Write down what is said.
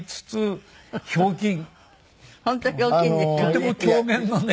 とても狂言のね